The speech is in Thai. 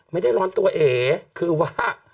ไม่ได้ร้อนตัวเอคือว่า